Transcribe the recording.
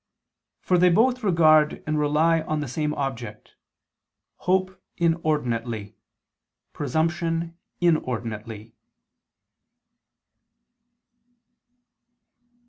For they both regard and rely on the same object, hope inordinately, presumption inordinately.